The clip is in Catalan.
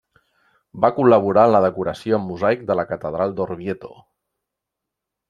Va col·laborar en la decoració en mosaic de la catedral d'Orvieto.